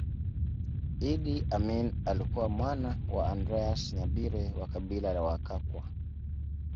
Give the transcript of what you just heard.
Idi Amin alikuwa mwana wa Andreas Nyabire wa kabila la Wakakwa